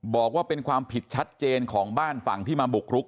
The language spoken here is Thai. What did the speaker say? บอกว่าเป็นความผิดชัดเจนของบ้านฝั่งที่มาบุกรุก